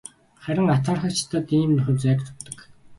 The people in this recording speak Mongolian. Харин атаархагчдад ийм хувь заяа дутдаг.